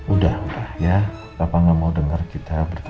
udah udah ya papa gak mau denger kita bertengkar